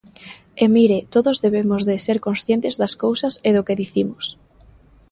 E, mire, todos debemos de ser conscientes das cousas e do que dicimos.